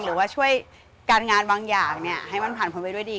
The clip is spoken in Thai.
หรือว่าช่วยการงานบางอย่างให้มันผ่านพ้นไปด้วยดี